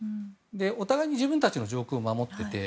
お互いに自分たちの上空を守っていて。